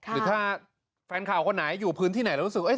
หรือถ้าแฟนข่าวคนไหนอยู่พื้นที่ไหนแล้วรู้สึก